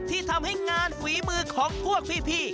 ที่ทำให้งานฝีมือของพวกพี่